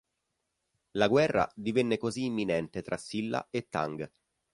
La guerra divenne così imminente tra Silla e Tang.